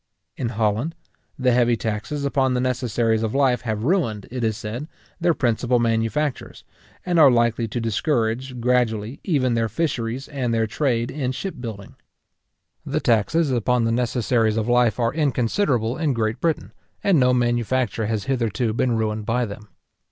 In Holland, the heavy taxes upon the necessaries of life have ruined, it is said, their principal manufacturers, and are likely to discourage, gradually, even their fisheries and their trade in ship building. The taxes upon the necessaries of life are inconsiderable in Great Britain, and no manufacture has hitherto been ruined by them.